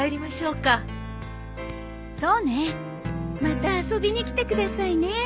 また遊びに来てくださいね。